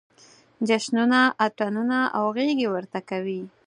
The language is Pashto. جشنونه، اتڼونه او غېږې ورته کوي.